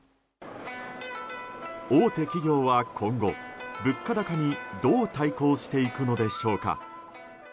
大手企業は今後、物価高にどう対抗していくのでしょうか。